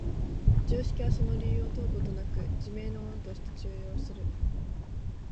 常識はその理由を問うことなく、自明のものとして通用する。